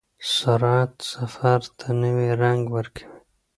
سرعت سفر ته نوی رنګ ورکوي.